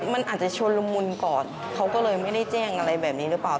มันอาจจะชวนละมุนก่อนเขาก็เลยไม่ได้แจ้งอะไรแบบนี้หรือเปล่า